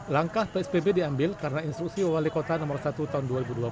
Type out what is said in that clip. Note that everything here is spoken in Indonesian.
langkah psbb diambil karena instruksi wali kota nomor satu tahun dua ribu dua puluh